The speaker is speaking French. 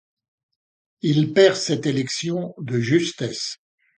Il perd cette élection de justesse.